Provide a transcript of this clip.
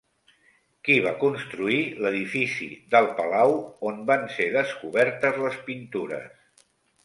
Qui va construir l'edifici del palau on van ser descobertes les pintures?